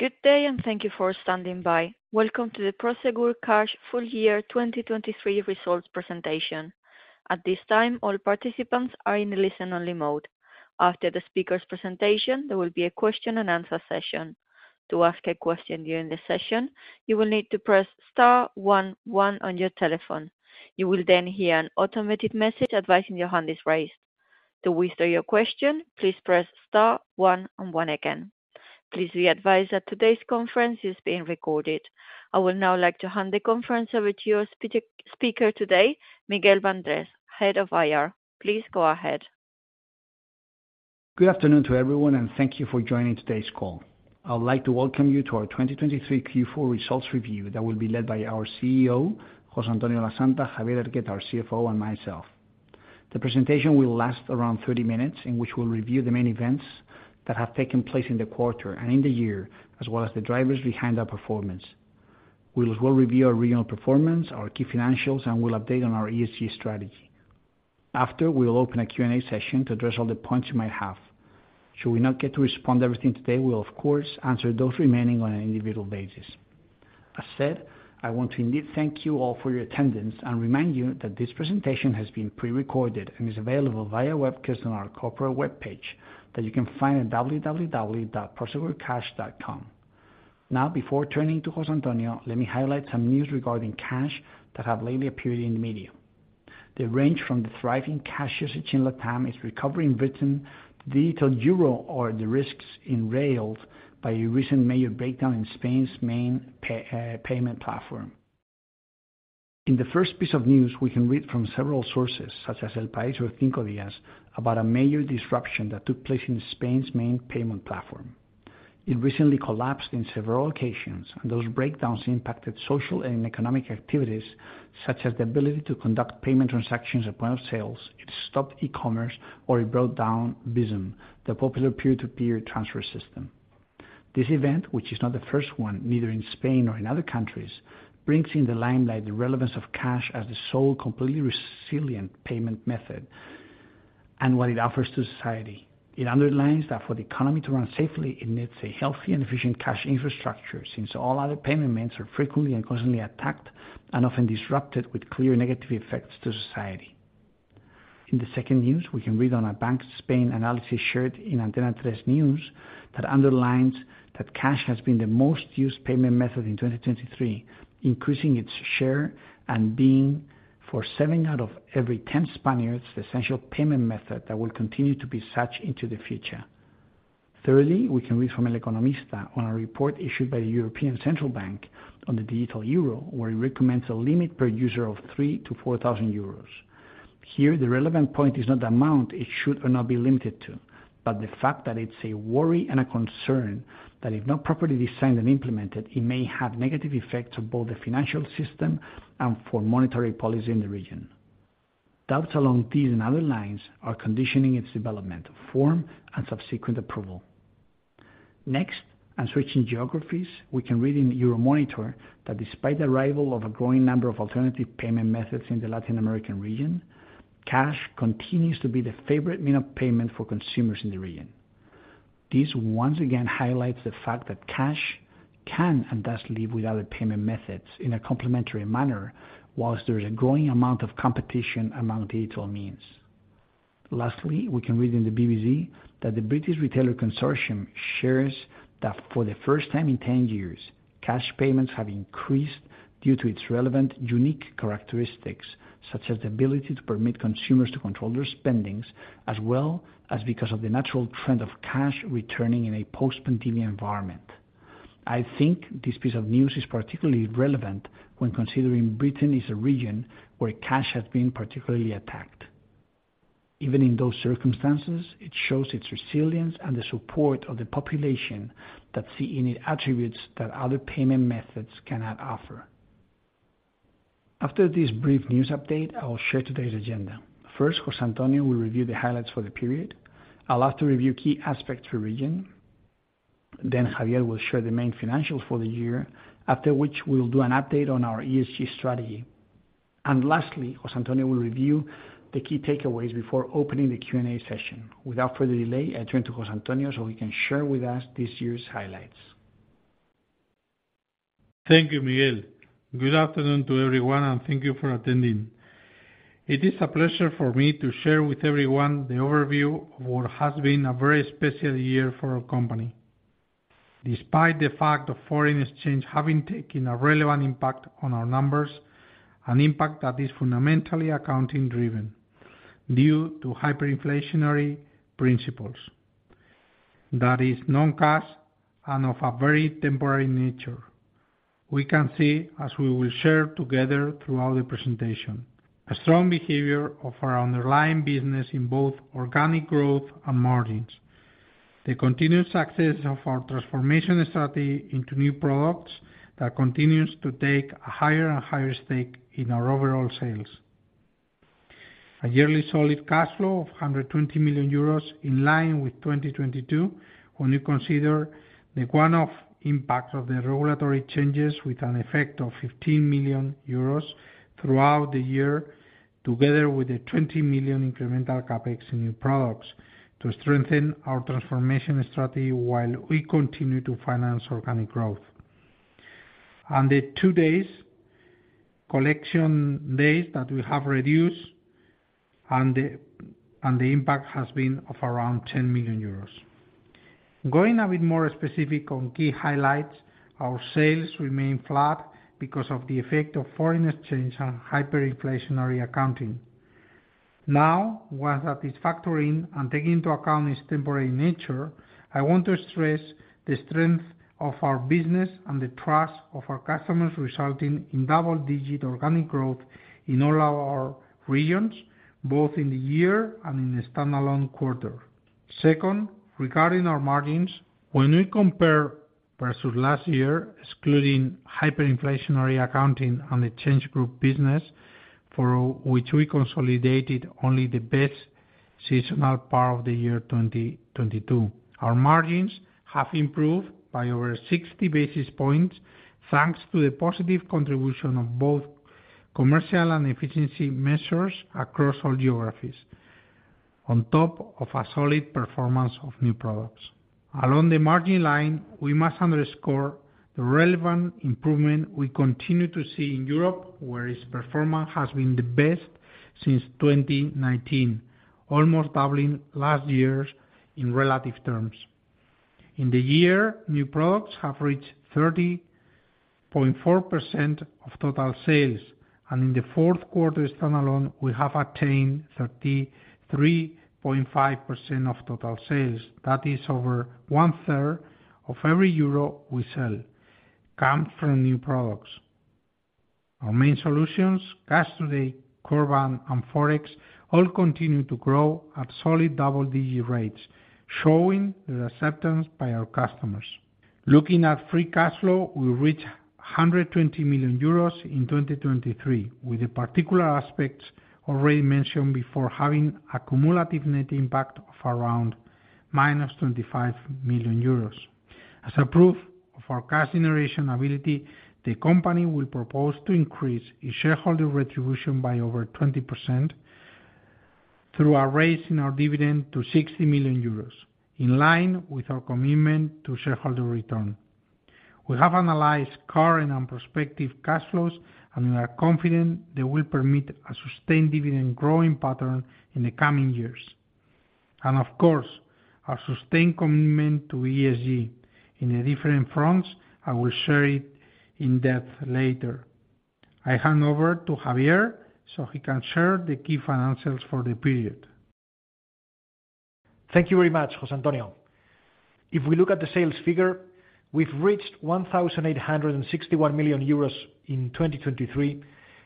Good day and thank you for standing by. Welcome to the Prosegur Cash Full Year 2023 results presentation. At this time, all participants are in listen-only mode. After the speaker's presentation, there will be a question-and-answer session. To ask a question during the session, you will need to press star one one on your telephone. You will then hear an automated message advising your hand is raised. To whisper your question, please press star one and one again. Please be advised that today's conference is being recorded. I would now like to hand the conference over to your speaker today, Miguel Bandrés, head of IR. Please go ahead. Good afternoon to everyone, and thank you for joining today's call. I would like to welcome you to our 2023 Q4 results review that will be led by our CEO, José Antonio Lasanta, Javier Hergueta, our CFO, and myself. The presentation will last around 30 minutes, in which we'll review the main events that have taken place in the quarter and in the year, as well as the drivers behind our performance. We'll as well review our regional performance, our key financials, and we'll update on our ESG strategy. After, we'll open a Q&A session to address all the points you might have. Should we not get to respond to everything today, we'll, of course, answer those remaining on an individual basis. As said, I want to indeed thank you all for your attendance and remind you that this presentation has been prerecorded and is available via webcast on our corporate webpage that you can find at www.prosegurcash.com. Now, before turning to José Antonio, let me highlight some news regarding cash that have lately appeared in the media. They range from the thriving cash usage in LATAM's recovery in Britain to Digital Euro, or the risks in rails, by a recent major breakdown in Spain's main payment platform. In the first piece of news, we can read from several sources, such as EL PAÍS or Cinco Días, about a major disruption that took place in Spain's main payment platform. It recently collapsed in several occasions, and those breakdowns impacted social and economic activities, such as the ability to conduct payment transactions at point of sale. It stopped e-commerce, or it brought down Bizum, the popular peer-to-peer transfer system. This event, which is not the first one, neither in Spain nor in other countries, brings in the limelight the relevance of cash as the sole completely resilient payment method and what it offers to society. It underlines that for the economy to run safely, it needs a healthy and efficient cash infrastructure, since all other payment methods are frequently and constantly attacked and often disrupted, with clear negative effects to society. In the second news, we can read on a Bank of Spain analysis shared in Antena 3's news that underlines that cash has been the most used payment method in 2023, increasing its share and being, for seven out of every 10 Spaniards, the essential payment method that will continue to be such into the future. Thirdly, we can read from El Economista on a report issued by the European Central Bank on the Digital Euro, where it recommends a limit per user of 3,000-4,000 euros. Here, the relevant point is not the amount it should or not be limited to, but the fact that it's a worry and a concern that if not properly designed and implemented, it may have negative effects on both the financial system and for monetary policy in the region. Doubts along these and other lines are conditioning its development of form and subsequent approval. Next, and switching geographies, we can read in Euromonitor that despite the arrival of a growing number of alternative payment methods in the Latin American region, cash continues to be the favorite means of payment for consumers in the region. This once again highlights the fact that cash can and does live without payment methods in a complementary manner, while there's a growing amount of competition among digital means. Lastly, we can read in the BRC that the British Retail Consortium shares that for the first time in 10 years, cash payments have increased due to its relevant unique characteristics, such as the ability to permit consumers to control their spending, as well as because of the natural trend of cash returning in a post-pandemic environment. I think this piece of news is particularly relevant when considering Britain is a region where cash has been particularly attacked. Even in those circumstances, it shows its resilience and the support of the population that see in it attributes that other payment methods cannot offer. After this brief news update, I will share today's agenda. First, José Antonio will review the highlights for the period. I'll ask to review key aspects per region. Then Javier will share the main financials for the year, after which we'll do an update on our ESG strategy. And lastly, José Antonio will review the key takeaways before opening the Q&A session. Without further delay, I turn to José Antonio so he can share with us this year's highlights. Thank you, Miguel. Good afternoon to everyone, and thank you for attending. It is a pleasure for me to share with everyone the overview of what has been a very special year for our company, despite the fact of foreign exchange having taken a relevant impact on our numbers, an impact that is fundamentally accounting-driven due to hyperinflationary principles. That is non-cash and of a very temporary nature. We can see, as we will share together throughout the presentation, a strong behavior of our underlying business in both organic growth and margins, the continued success of our transformation strategy into new products that continues to take a higher and higher stake in our overall sales, a yearly solid cash flow of 120 million euros in line with 2022, when you consider the one-off impact of the regulatory changes with an effect of 15 million euros throughout the year, together with the 20 million incremental CapEx in new products, to strengthen our transformation strategy while we continue to finance organic growth. And the two days, collection days that we have reduced, and the impact has been of around 10 million euros. Going a bit more specific on key highlights, our sales remain flat because of the effect of foreign exchange and hyperinflationary accounting. Now, once that is factored in and taken into account its temporary nature, I want to stress the strength of our business and the trust of our customers, resulting in double-digit organic growth in all our regions, both in the year and in the standalone quarter. Second, regarding our margins, when we compare versus last year, excluding hyperinflationary accounting and the ChangeGroup business, for which we consolidated only the best seasonal part of the year 2022, our margins have improved by over 60 basis points thanks to the positive contribution of both commercial and efficiency measures across all geographies, on top of a solid performance of new products. Along the margin line, we must underscore the relevant improvement we continue to see in Europe, where its performance has been the best since 2019, almost doubling last year's in relative terms. In the year, new products have reached 30.4% of total sales, and in the fourth quarter standalone, we have attained 33.5% of total sales. That is over one-third of every euro we sell comes from new products. Our main solutions, Cash Today, Corban, Foreign Exchange, all continue to grow at solid double-digit rates, showing the acceptance by our customers. Looking at free cash flow, we reached 120 million euros in 2023, with the particular aspects already mentioned before having a cumulative net impact of around -25 million euros. As a proof of our cash generation ability, the company will propose to increase its shareholder retribution by over 20% through a raise in our dividend to 60 million euros, in line with our commitment to shareholder return. We have analyzed current and prospective cash flows, and we are confident they will permit a sustained dividend growing pattern in the coming years. And of course, our sustained commitment to ESG in different fronts. I will share it in depth later. I hand over to Javier so he can share the key financials for the period. Thank you very much, José Antonio. If we look at the sales figure, we've reached 1,861 million euros in 2023,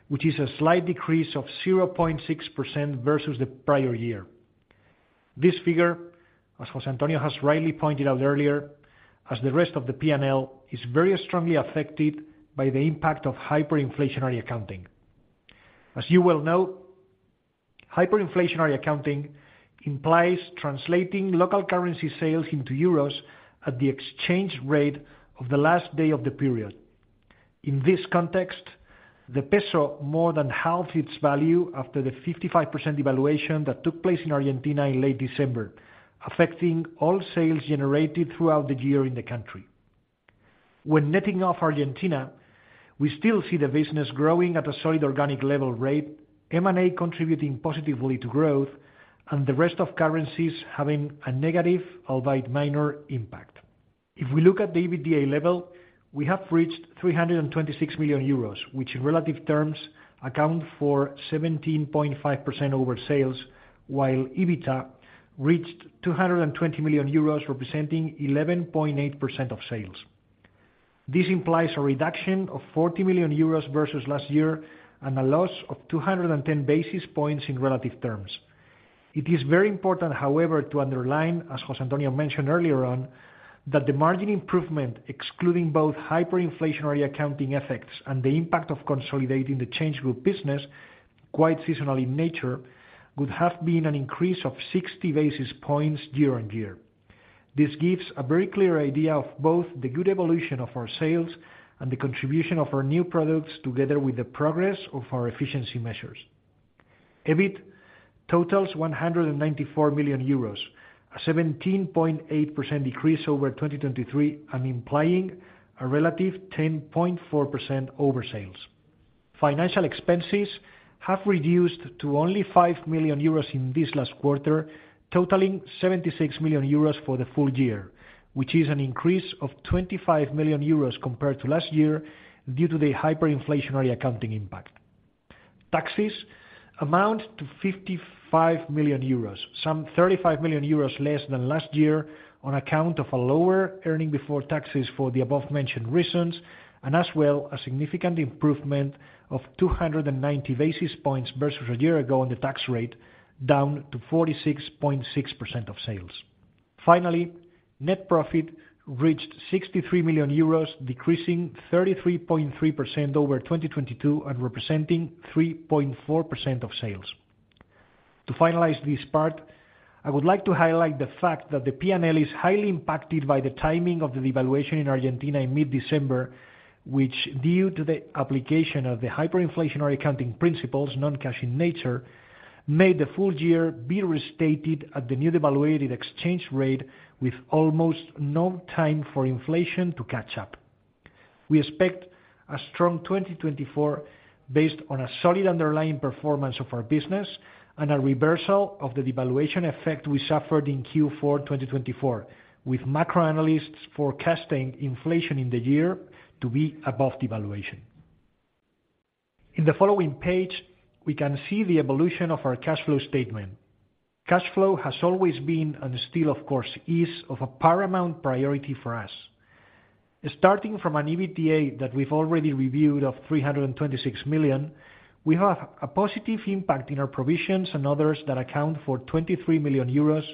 which is a slight decrease of 0.6% versus the prior year. This figure, as José Antonio has rightly pointed out earlier, as the rest of the P&L, is very strongly affected by the impact of hyperinflationary accounting. As you well know, hyperinflationary accounting implies translating local currency sales into euros at the exchange rate of the last day of the period. In this context, the peso more than halved its value after the 55% devaluation that took place in Argentina in late December, affecting all sales generated throughout the year in the country. When netting off Argentina, we still see the business growing at a solid organic level rate, M&A contributing positively to growth, and the rest of currencies having a negative, albeit minor, impact. If we look at the EBITDA level, we have reached 326 million euros, which in relative terms account for 17.5% of sales, while EBITA reached 220 million euros, representing 11.8% of sales. This implies a reduction of 40 million euros versus last year and a loss of 210 basis points in relative terms. It is very important, however, to underline, as José Antonio mentioned earlier on, that the margin improvement, excluding both hyperinflationary accounting effects and the impact of consolidating the ChangeGroup business quite seasonally in nature, would have been an increase of 60 basis points year on year. This gives a very clear idea of both the good evolution of our sales and the contribution of our new products, together with the progress of our efficiency measures. EBITDA totals 194 million euros, a 17.8% decrease over 2023, and implying a relative 10.4% of sales. Financial expenses have reduced to only 5 million euros in this last quarter, totaling 76 million euros for the full year, which is an increase of 25 million euros compared to last year due to the hyperinflationary accounting impact. Taxes amount to 55 million euros, some 35 million euros less than last year on account of a lower earnings before taxes for the above-mentioned reasons, and as well a significant improvement of 290 basis points versus a year ago on the tax rate, down to 46.6% of sales. Finally, net profit reached 63 million euros, decreasing 33.3% over 2022 and representing 3.4% of sales. To finalize this part, I would like to highlight the fact that the P&L is highly impacted by the timing of the devaluation in Argentina in mid-December, which, due to the application of the hyperinflationary accounting principles non-cash in nature, made the full year be restated at the new devaluated exchange rate with almost no time for inflation to catch up. We expect a strong 2024 based on a solid underlying performance of our business and a reversal of the devaluation effect we suffered in Q4 2024, with macro analysts forecasting inflation in the year to be above devaluation. In the following page, we can see the evolution of our cash flow statement. Cash flow has always been, and still, of course, is, of a paramount priority for us. Starting from an EBITDA that we've already reviewed of 326 million, we have a positive impact in our provisions and others that account for 23 million euros,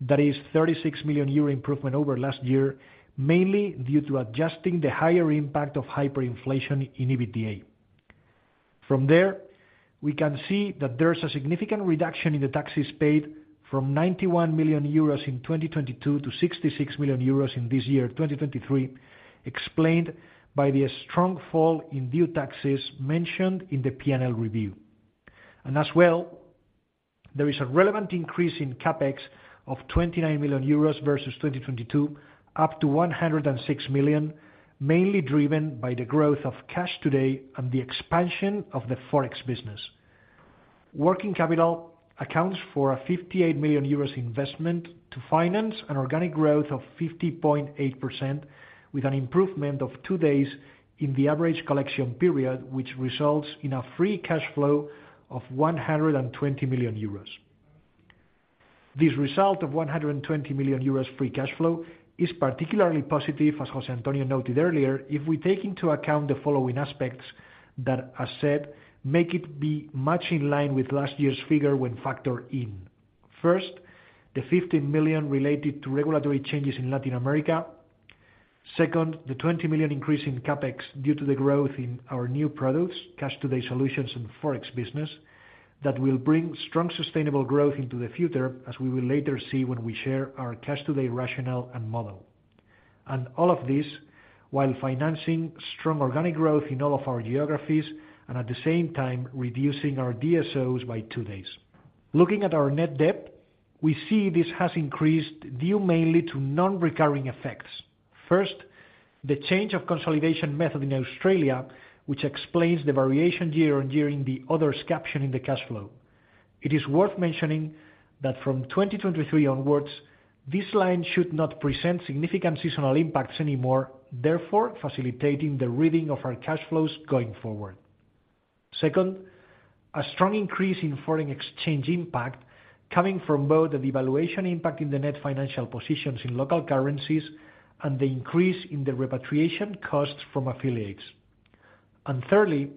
that is, 36 million euro improvement over last year, mainly due to adjusting the higher impact of hyperinflation in EBITDA. From there, we can see that there's a significant reduction in the taxes paid from 91 million euros in 2022 to 66 million euros in this year, 2023, explained by the strong fall in due taxes mentioned in the P&L review. As well, there is a relevant increase in CapEx of 29 million euros versus 2022, up to 106 million, mainly driven by the growth of Cash Today and the expansion of Foreign Exchange business. Working capital accounts for a 58 million euros investment to finance and organic growth of 50.8%, with an improvement of two days in the average collection period, which results in a free cash flow of 120 million euros. This result of 120 million euros free cash flow is particularly positive, as José Antonio noted earlier, if we take into account the following aspects that, as said, make it be much in line with last year's figure when factored in. First, the 15 million related to regulatory changes in Latin America. Second, the 20 million increase in CapEx due to the growth in our new products, Cash Today solutions, Foreign Exchange business, that will bring strong sustainable growth into the future, as we will later see when we share our Cash Today rationale and model. And all of this while financing strong organic growth in all of our geographies and at the same time reducing our DSOs by two days. Looking at our net debt, we see this has increased due mainly to non-recurring effects. First, the change of consolidation method in Australia, which explains the variation year-on-year in the others caption in the cash flow. It is worth mentioning that from 2023 onwards, this line should not present significant seasonal impacts anymore, therefore facilitating the reading of our cash flows going forward. Second, a strong increase in foreign exchange impact coming from both the devaluation impact in the net financial positions in local currencies and the increase in the repatriation costs from affiliates. And thirdly,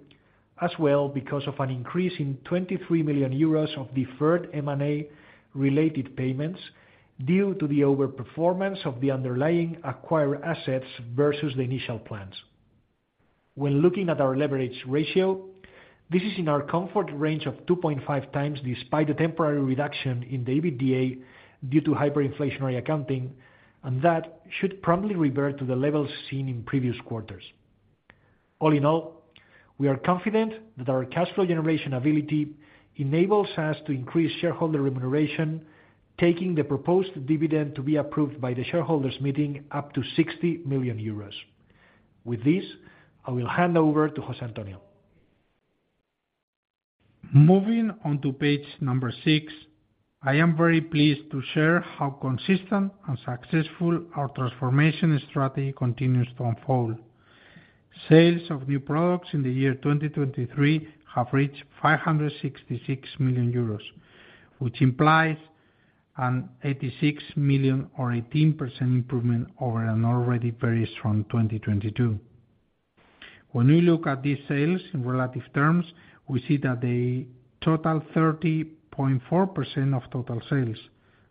as well, because of an increase in 23 million euros of deferred M&A-related payments due to the overperformance of the underlying acquired assets versus the initial plans. When looking at our leverage ratio, this is in our comfort range of 2.5x despite the temporary reduction in the EBITDA due to hyperinflationary accounting, and that should promptly revert to the levels seen in previous quarters. All in all, we are confident that our cash flow generation ability enables us to increase shareholder remuneration, taking the proposed dividend to be approved by the shareholders' meeting up to 60 million euros. With this, I will hand over to José Antonio. Moving onto page 6, I am very pleased to share how consistent and successful our transformation strategy continues to unfold. Sales of new products in the year 2023 have reached 566 million euros, which implies an 86 million or 18% improvement over an already very strong 2022. When we look at these sales in relative terms, we see that they total 30.4% of total sales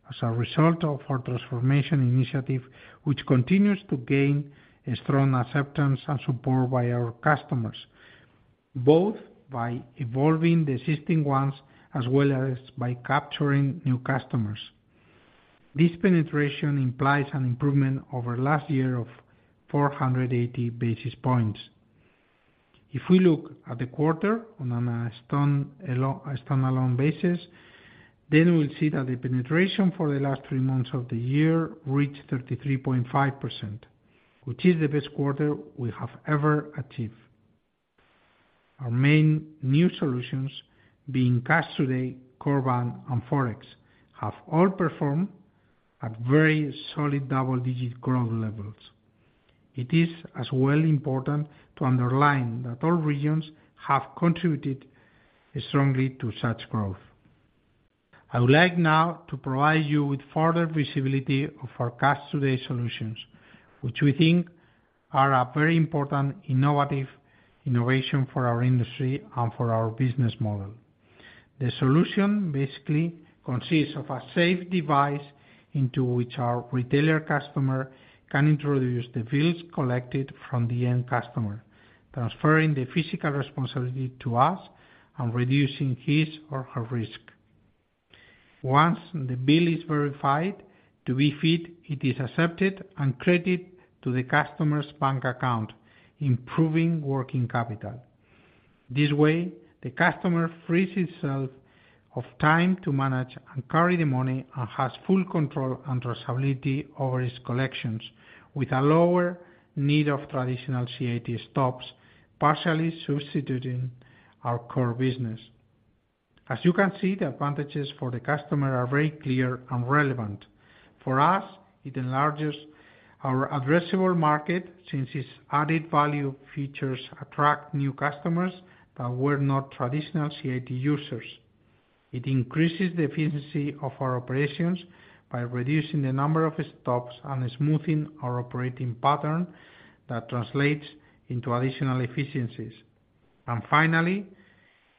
as a result of our transformation initiative, which continues to gain strong acceptance and support by our customers, both by evolving the existing ones as well as by capturing new customers. This penetration implies an improvement over last year of 480 basis points. If we look at the quarter on a standalone basis, then we'll see that the penetration for the last three months of the year reached 33.5%, which is the best quarter we have ever achieved. Our main new solutions, being Cash Today, Corban, Foreign Exchange, have all performed at very solid double-digit growth levels. It is as well important to underline that all regions have contributed strongly to such growth. I would like now to provide you with further visibility of our Cash Today solutions, which we think are a very important innovation for our industry and for our business model. The solution basically consists of a safe device into which our retailer customer can introduce the bills collected from the end customer, transferring the physical responsibility to us and reducing his or her risk. Once the bill is verified to be fit, it is accepted and credited to the customer's bank account, improving working capital. This way, the customer frees himself of time to manage and carry the money and has full control and traceability over his collections, with a lower need of traditional CIT stops, partially substituting our core business. As you can see, the advantages for the customer are very clear and relevant. For us, it enlarges our addressable market since its added value features attract new customers that were not traditional CIT users. It increases the efficiency of our operations by reducing the number of stops and smoothing our operating pattern that translates into additional efficiencies. And finally,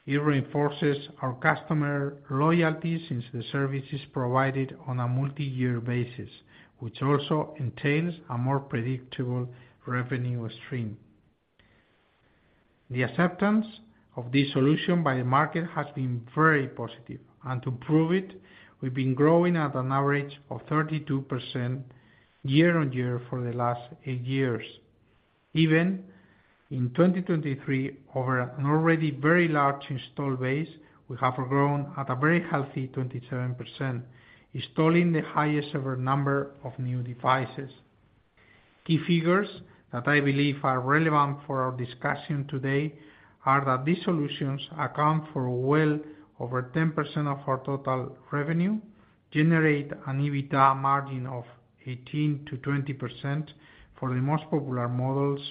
it reinforces our customer loyalty since the service is provided on a multi-year basis, which also entails a more predictable revenue stream. The acceptance of this solution by the market has been very positive, and to prove it, we've been growing at an average of 32% year-on-year for the last eight years. Even in 2023, over an already very large install base, we have grown at a very healthy 27%, installing the highest ever number of new devices. Key figures that I believe are relevant for our discussion today are that these solutions account for well over 10% of our total revenue, generate an EBITDA margin of 18%-20% for the most popular models,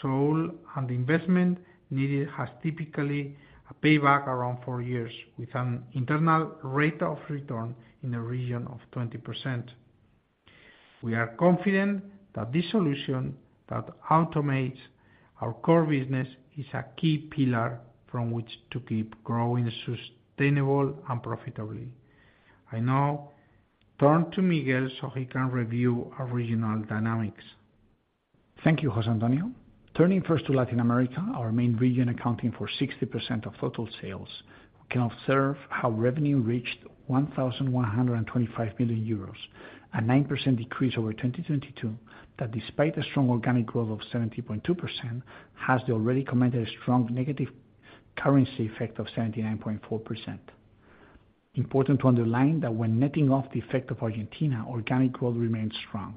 so all the investment needed has typically a payback around four years, with an internal rate of return in the region of 20%. We are confident that this solution that automates our core business is a key pillar from which to keep growing sustainable and profitably. I now turn to Miguel so he can review our regional dynamics. Thank you, José Antonio. Turning first to Latin America, our main region accounting for 60% of total sales, we can observe how revenue reached 1,125 million euros, a 9% decrease over 2022 that, despite a strong organic growth of 70.2%, has the already commented strong negative currency effect of 79.4%. Important to underline that when netting off the effect of Argentina, organic growth remained strong.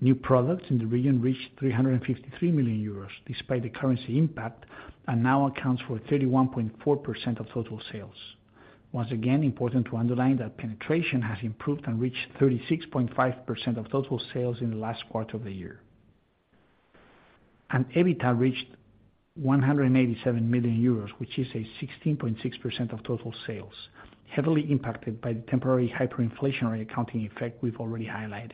New products in the region reached 353 million euros despite the currency impact and now accounts for 31.4% of total sales. Once again, important to underline that penetration has improved and reached 36.5% of total sales in the last quarter of the year. EBITDA reached 187 million euros, which is 16.6% of total sales, heavily impacted by the temporary hyperinflationary accounting effect we've already highlighted,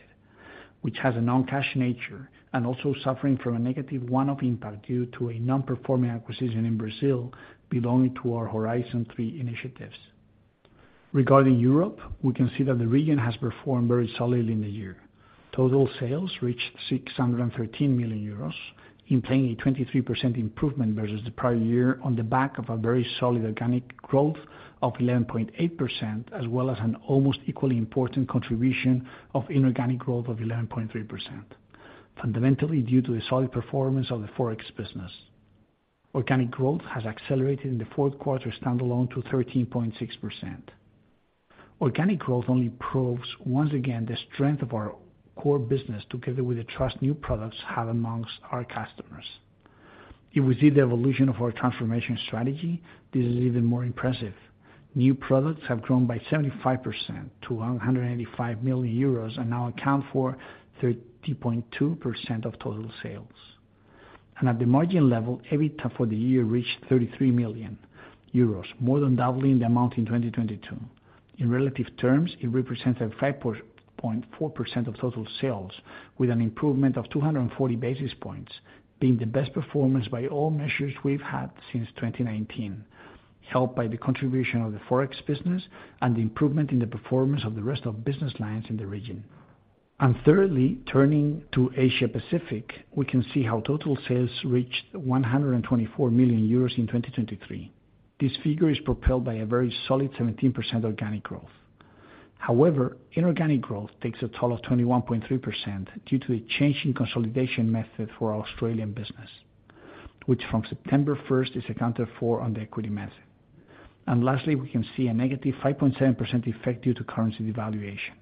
which has a non-cash nature and also suffering from a negative one-off impact due to a non-performing acquisition in Brazil belonging to our Horizon 3 initiatives. Regarding Europe, we can see that the region has performed very solidly in the year. Total sales reached 613 million euros, implying a 23% improvement versus the prior year on the back of a very solid organic growth of 11.8% as well as an almost equally important contribution of inorganic growth of 11.3%, fundamentally due to the solid performance of Foreign Exchange business. Organic growth has accelerated in the fourth quarter standalone to 13.6%. Organic growth only proves, once again, the strength of our core business together with the trust new products have among our customers. If we see the evolution of our transformation strategy, this is even more impressive. New products have grown by 75% to 185 million euros and now account for 30.2% of total sales. At the margin level, EBITDA for the year reached 33 million euros, more than doubling the amount in 2022. In relative terms, it represents a 5.4% of total sales, with an improvement of 240 basis points, being the best performance by all measures we've had since 2019, helped by the contribution of Foreign Exchange business and the improvement in the performance of the rest of business lines in the region. And thirdly, turning to Asia-Pacific, we can see how total sales reached 124 million euros in 2023. This figure is propelled by a very solid 17% organic growth. However, inorganic growth takes a toll of 21.3% due to the changing consolidation method for Australian business, which from September 1st is accounted for on the equity method. Lastly, we can see a -5.7% effect due to currency devaluation.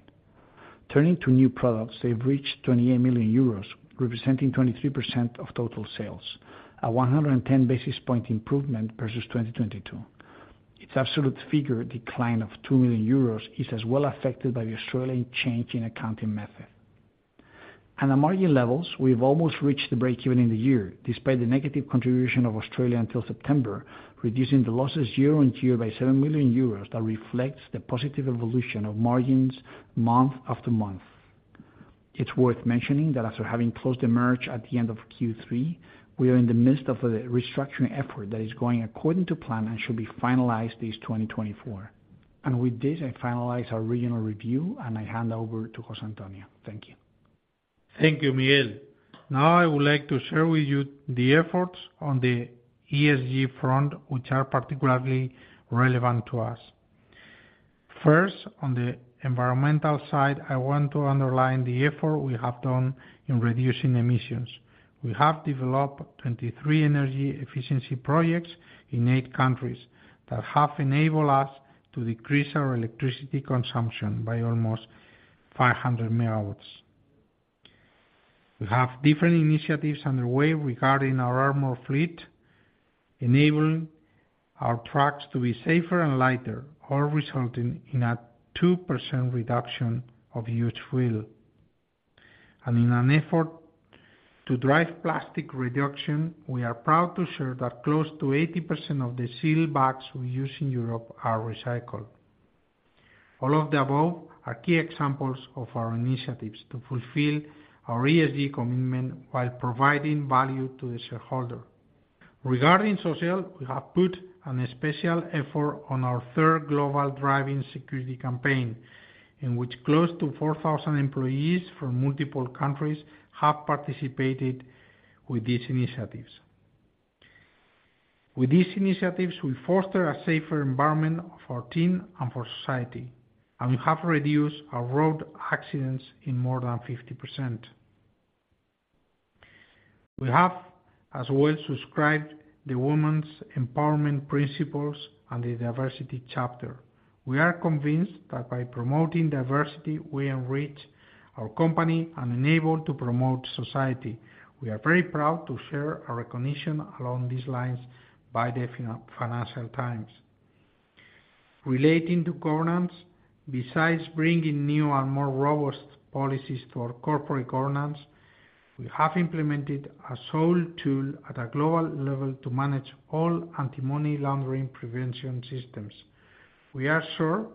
Turning to new products, they've reached 28 million euros, representing 23% of total sales, a 110 basis point improvement versus 2022. Its absolute figure, decline of 2 million euros, is as well affected by the Australian change in accounting method. And at margin levels, we've almost reached the breakeven in the year despite the negative contribution of Australia until September, reducing the losses year-on-year by 7 million euros that reflects the positive evolution of margins month after month. It's worth mentioning that after having closed the merge at the end of Q3, we are in the midst of the restructuring effort that is going according to plan and should be finalized this 2024. With this, I finalize our regional review, and I hand over to José Antonio. Thank you. Thank you, Miguel. Now I would like to share with you the efforts on the ESG front, which are particularly relevant to us. First, on the environmental side, I want to underline the effort we have done in reducing emissions. We have developed 23 energy efficiency projects in eight countries that have enabled us to decrease our electricity consumption by almost 500 MW. We have different initiatives underway regarding our armored fleet, enabling our trucks to be safer and lighter, all resulting in a 2% reduction of used fuel. And in an effort to drive plastic reduction, we are proud to share that close to 80% of the sealed bags we use in Europe are recycled. All of the above are key examples of our initiatives to fulfill our ESG commitment while providing value to the shareholder. Regarding social, we have put a special effort on our third global driving security campaign, in which close to 4,000 employees from multiple countries have participated with these initiatives. With these initiatives, we foster a safer environment for our team and for society, and we have reduced our road accidents in more than 50%. We have as well subscribed to the Women's Empowerment Principles and the Diversity Charter. We are convinced that by promoting diversity, we enrich our company and enable to promote society. We are very proud to share our recognition along these lines by the Financial Times. Relating to governance, besides bringing new and more robust policies to our corporate governance, we have implemented a sole tool at a global level to manage all anti-money laundering prevention systems. We are sure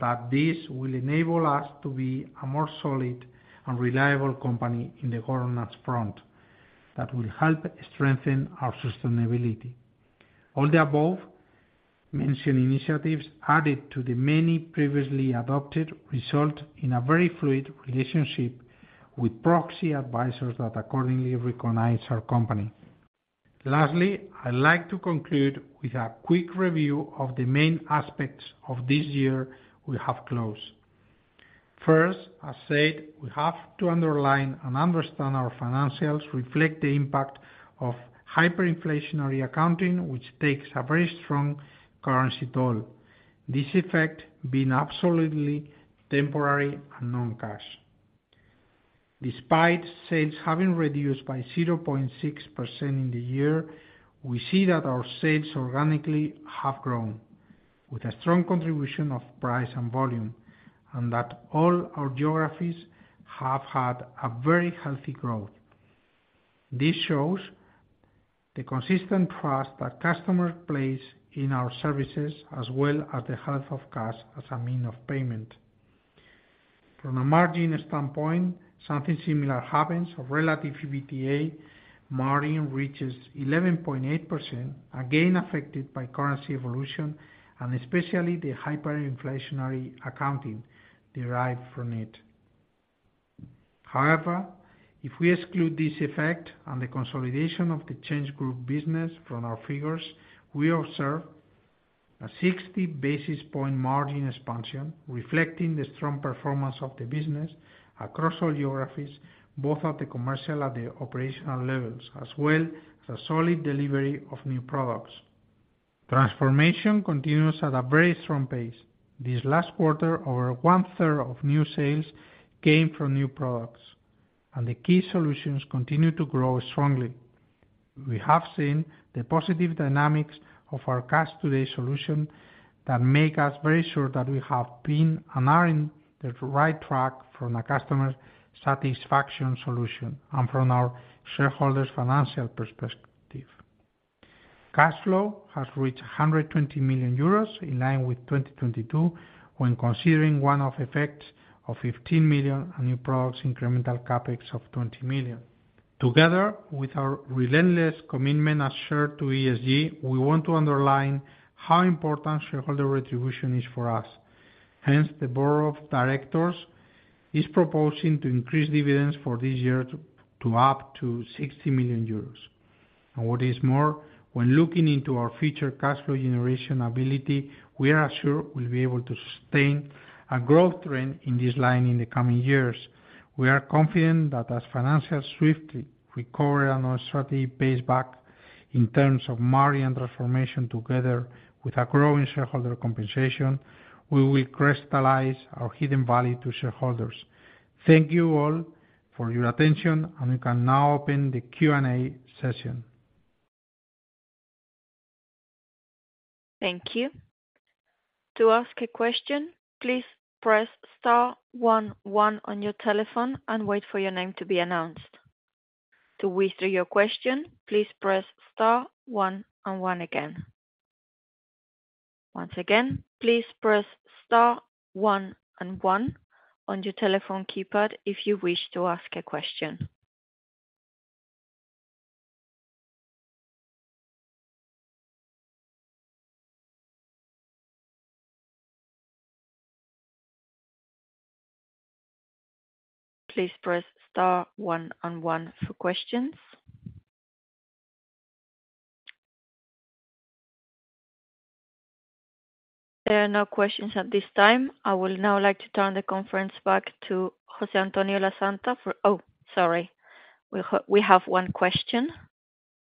that this will enable us to be a more solid and reliable company in the governance front that will help strengthen our sustainability. All the above-mentioned initiatives added to the many previously adopted result in a very fluid relationship with proxy advisors that accordingly recognize our company. Lastly, I'd like to conclude with a quick review of the main aspects of this year we have closed. First, as said, we have to underline and understand our financials reflect the impact of hyperinflationary accounting, which takes a very strong currency toll, this effect being absolutely temporary and non-cash. Despite sales having reduced by 0.6% in the year, we see that our sales organically have grown with a strong contribution of price and volume and that all our geographies have had a very healthy growth. This shows the consistent trust that customers place in our services as well as the health of cash as a means of payment. From a margin standpoint, something similar happens of relative EBITDA. Margin reaches 11.8%, again affected by currency evolution and especially the hyperinflationary accounting derived from it. However, if we exclude this effect and the consolidation of the ChangeGroup business from our figures, we observe a 60 basis point margin expansion reflecting the strong performance of the business across all geographies, both at the commercial and the operational levels, as well as a solid delivery of new products. Transformation continues at a very strong pace. This last quarter, over one-third of new sales came from new products, and the key solutions continue to grow strongly. We have seen the positive dynamics of our Cash Today solution that make us very sure that we have been and are in the right track from a customer satisfaction solution and from our shareholders' financial perspective. Cash flow has reached 120 million euros in line with 2022 when considering one-off effects of 15 million and new products incremental CapEx of 20 million. Together with our relentless commitment assured to ESG, we want to underline how important shareholder retribution is for us. Hence, the board of directors is proposing to increase dividends for this year to up to 60 million euros. What is more, when looking into our future cash flow generation ability, we are assured we'll be able to sustain a growth trend in this line in the coming years. We are confident that as financials swiftly recover and our strategy pays back in terms of margin transformation together with a growing shareholder compensation, we will crystallize our hidden value to shareholders. Thank you all for your attention, and we can now open the Q&A session. Thank you. To ask a question, please press star one one on your telephone and wait for your name to be announced. To whisper your question, please press star one and one again. Once again, please press star one and one on your telephone keypad if you wish to ask a question. Please press star one and one for questions. There are no questions at this time. I will now like to turn the conference back to José Antonio Lasanta for oh, sorry. We have one question.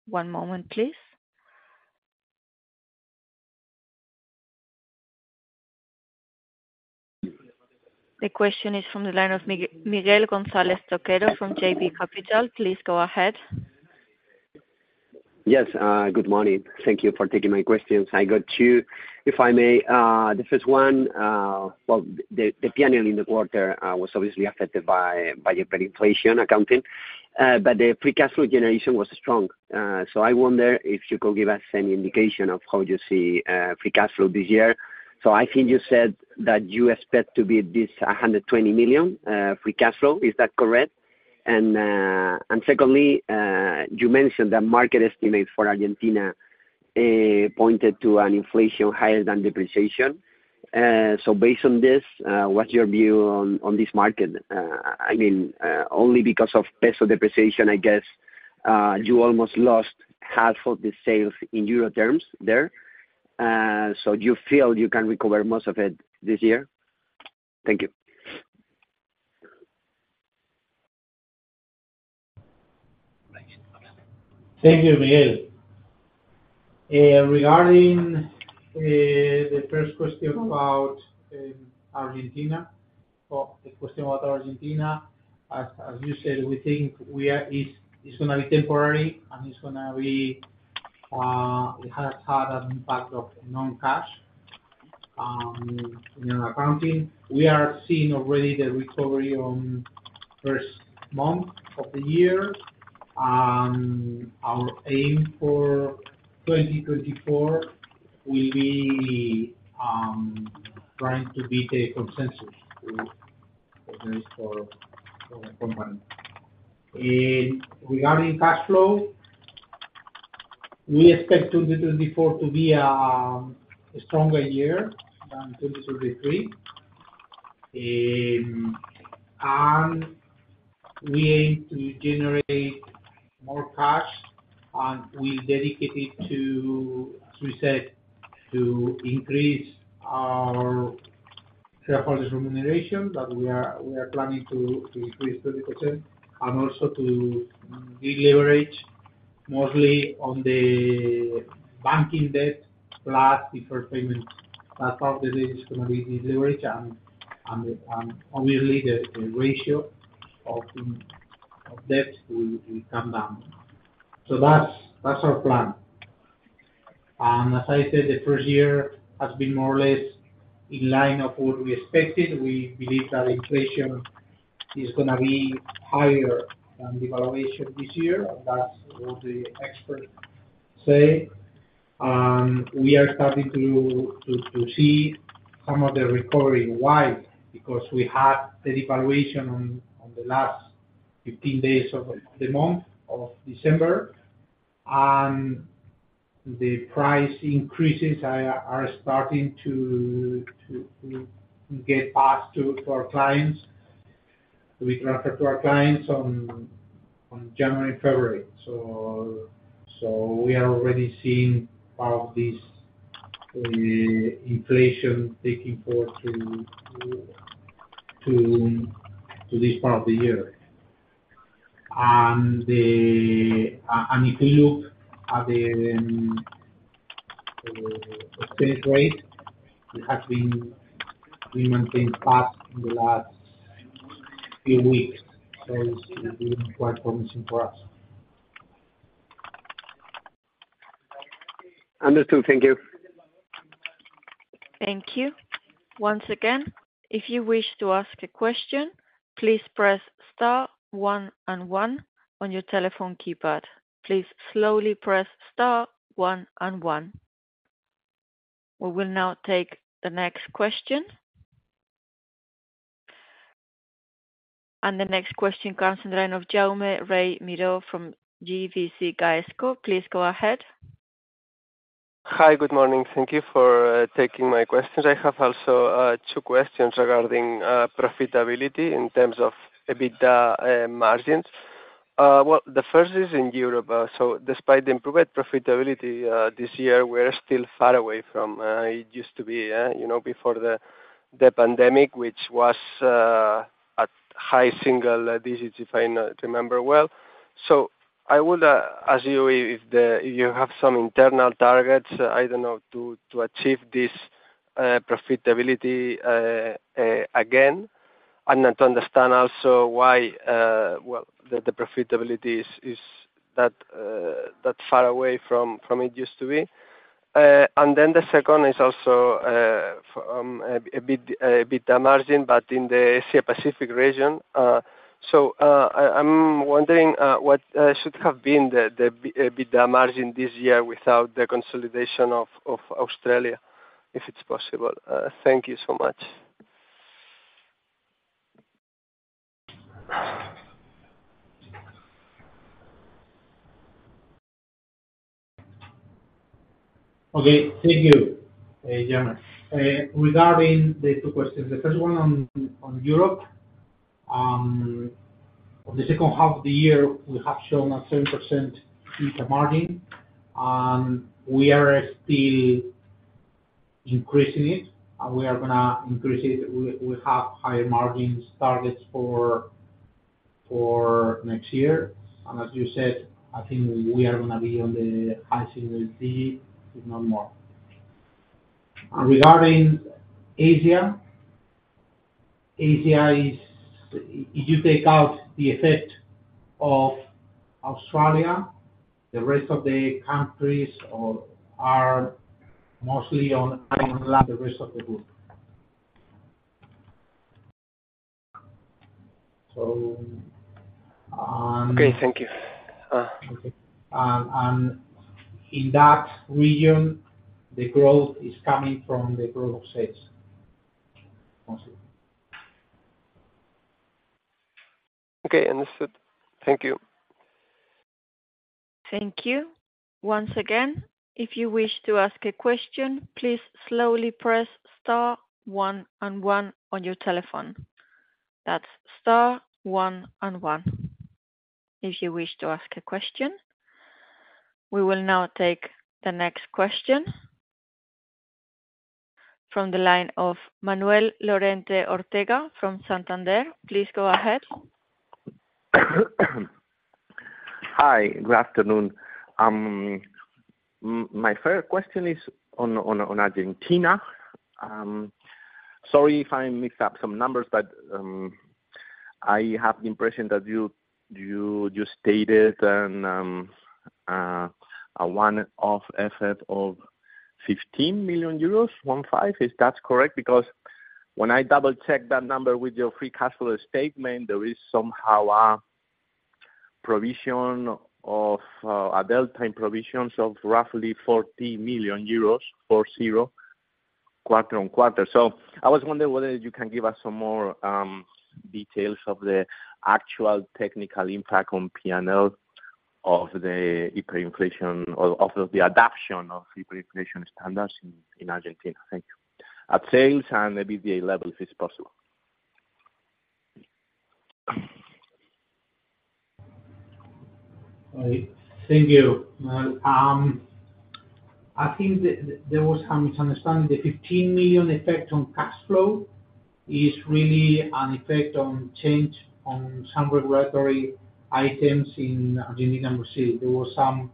One moment, please. The question is from the line of Miguel González Toquero from JB Capital. Please go ahead. Yes. Good morning. Thank you for taking my questions. I got two, if I may. The first one, well, the P&L in the quarter was obviously affected by your hyperinflationary accounting, but the free cash flow generation was strong. So I wonder if you could give us any indication of how you see free cash flow this year. So I think you said that you expect to be this 120 million free cash flow. Is that correct? And secondly, you mentioned that market estimates for Argentina pointed to an inflation higher than depreciation. So based on this, what's your view on this market? I mean, only because of peso depreciation, I guess, you almost lost half of the sales in euro terms there. So you feel you can recover most of it this year? Thank you. Thank you, Miguel. Regarding the first question about Argentina or the question about Argentina, as you said, we think it's going to be temporary and it's going to be it has had an impact of non-cash in our accounting. We are seeing already the recovery on first month of the year. Our aim for 2024 will be trying to beat a consensus for the company. Regarding cash flow, we expect 2024 to be a stronger year than 2023. We aim to generate more cash and we'll dedicate it to, as we said, to increase our shareholders' remuneration that we are planning to increase 20% and also to deleverage mostly on the banking debt plus deferred payments. That part of the debt is going to be deleveraged and obviously, the ratio of debt will come down. So that's our plan. As I said, the first year has been more or less in line of what we expected. We believe that inflation is going to be higher than devaluation this year. That's what the experts say. We are starting to see some of the recovery why? Because we had the devaluation on the last 15 days of the month of December, and the price increases are starting to get passed to our clients. We transfer to our clients on January and February. We are already seeing part of this inflation taking forward to this part of the year. If you look at the exchange rate, it has been maintained fast in the last few weeks. It's been quite promising for us. Understood. Thank you. Thank you. Once again, if you wish to ask a question, please press star one and one on your telephone keypad. Please slowly press star one and one. We will now take the next question. The next question comes in the line of Jaume Rey Miró from GVC Gaesco. Please go ahead. Hi. Good morning. Thank you for taking my questions. I have also two questions regarding profitability in terms of EBITDA margins. Well, the first is in Europe. Despite the improved profitability this year, we are still far away from it used to be before the pandemic, which was at high single-digits if I remember well. I would ask you if you have some internal targets, I don't know, to achieve this profitability again and to understand also why, well, the profitability is that far away from it used to be. Then the second is also from EBITDA margin, but in the Asia-Pacific region. I'm wondering what should have been the EBITDA margin this year without the consolidation of Australia if it's possible. Thank you so much. Okay. Thank you, Jaume. Regarding the two questions, the first one on Europe. On the second half of the year, we have shown a 7% EBITDA margin, and we are still increasing it, and we are going to increase it. We have higher margin targets for next year. And as you said, I think we are going to be on the high single-digit, if not more. Regarding Asia, if you take out the effect of Australia, the rest of the countries are mostly on. The rest of the group. Okay. Thank you. In that region, the growth is coming from the growth of sales. Okay. Understood. Thank you. Thank you. Once again, if you wish to ask a question, please slowly press star one and one on your telephone. That's star one and one if you wish to ask a question. We will now take the next question from the line of Manuel Lorente Ortega from Santander. Please go ahead. Hi. Good afternoon. My first question is on Argentina. Sorry if I mixed up some numbers, but I have the impression that you stated a one-off effort of 15 million euros, 15. Is that correct? Because when I double-checked that number with your free cash flow statement, there is somehow a provision of a delta in provisions of roughly 40 million euros, 40, quarter-on-quarter. So I was wondering whether you can give us some more details of the actual technical impact on P&L of the hyperinflation or of the adoption of hyperinflation standards in Argentina. Thank you. At sales and EBITDA level, if it's possible. Thank you. I think there was some misunderstanding. The 15 million effect on cash flow is really an effect on change on some regulatory items in Argentina and Brazil. There was some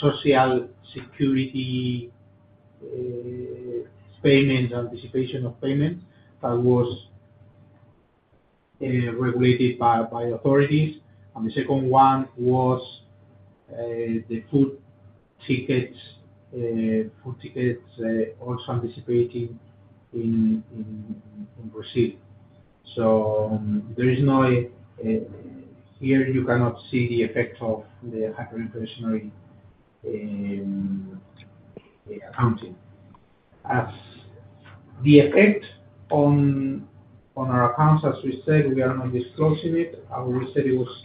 social security payments, anticipation of payments that was regulated by authorities. And the second one was the food tickets, food tickets also anticipating in Brazil. So there is no here, you cannot see the effect of the hyperinflationary accounting. The effect on our accounts, as we said, we are not disclosing it. We said it was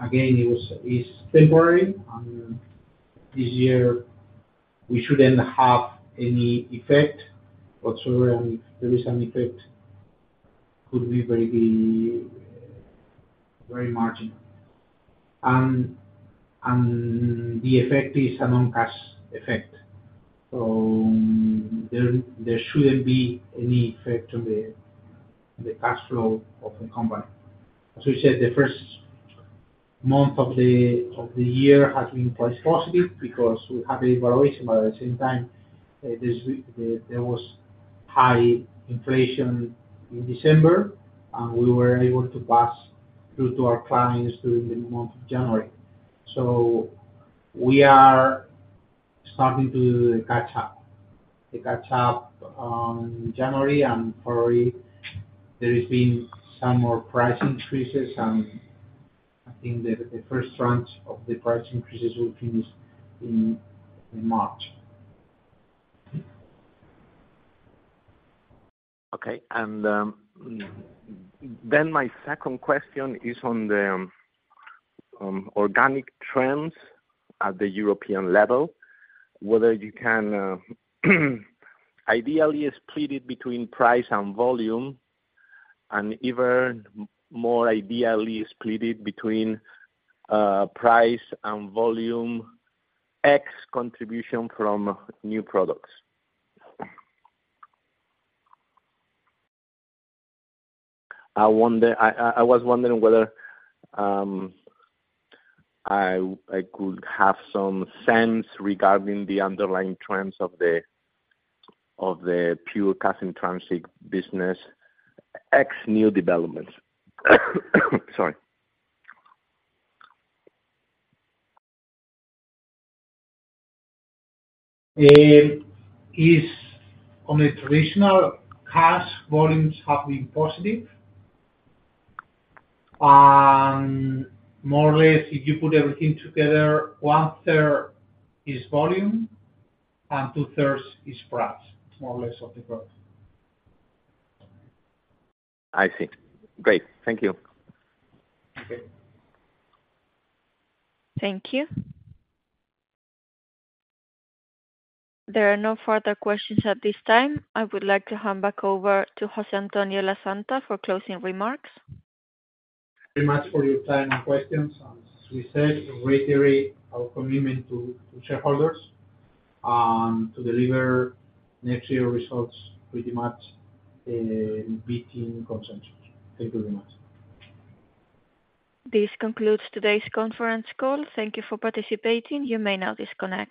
again, it is temporary, and this year, we shouldn't have any effect. But sorry, if there is an effect, it could be very marginal. And the effect is a non-cash effect. So there shouldn't be any effect on the cash flow of the company. As we said, the first month of the year has been quite positive because we have a devaluation, but at the same time, there was high inflation in December, and we were able to pass through to our clients during the month of January. So we are starting to catch up. We catch up in January, and February, there has been some more price increases, and I think the first tranche of the price increases will finish in March. Okay. And then my second question is on the organic trends at the European level, whether you can ideally split it between price and volume and even more ideally split it between price and volume ex-contribution from new products. I was wondering whether I could have some sense regarding the underlying trends of the pure cash in transit business ex-new developments? Sorry. On the traditional cash, volumes have been positive. More or less, if you put everything together, one-third is volume and two-thirds is price. More or less of the growth. I see. Great. Thank you. Thank you. There are no further questions at this time. I would like to hand back over to José Antonio Lasanta for closing remarks. Thank you very much for your time and questions. As we said, reiterate our commitment to shareholders and to deliver next year results pretty much beating consensus. Thank you very much. This concludes today's conference call. Thank you for participating. You may now disconnect.